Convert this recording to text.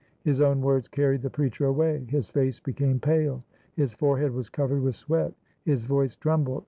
His own words carried the preacher away. His face became pale; his forehead was covered with sweat; his voice trembled.